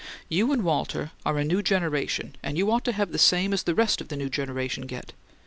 "You and Walter are a new generation and you ought to have the same as the rest of the new generation get.